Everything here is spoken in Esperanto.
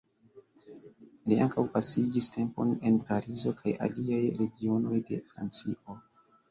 Li ankaŭ pasigis tempon en Parizo kaj aliaj regionoj de Francio.